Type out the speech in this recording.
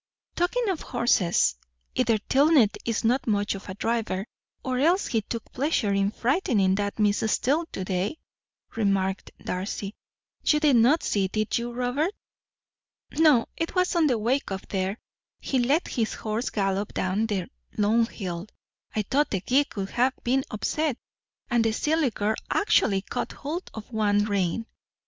"Talking of horses, either Tilney is not much of a driver, or else he took pleasure in frightening that Miss Steele to day," remarked Darcy. "You did not see, did you, Robert? No, it was on the way up there. He let his horse gallop down the long hill I thought the gig would have been upset and the silly girl actually caught hold of one rein."